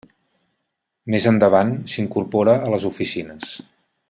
Més endavant s'incorpora a les oficines.